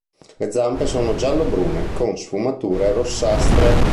Le zampe sono giallo-brune, con sfumature rossastre.